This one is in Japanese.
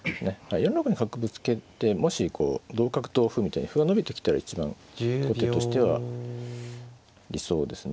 ４六に角ぶつけてもしこう同角同歩みたいに歩が伸びてきたら一番後手としては理想ですね。